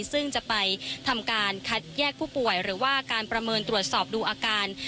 ซึ่งจะไปทำการคัดแยกผู้ป่วยหรือว่าการประเมินตรวจสอบดูอาการ